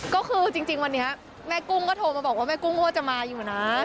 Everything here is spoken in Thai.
ก็คือจริงวันนี้แม่กุ้งก็โทรมาบอกว่าแม่กุ้งว่าจะมาอยู่นะ